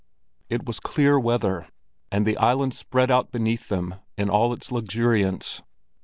It was clear weather, and the island lay spread out beneath them in all its luxuriance.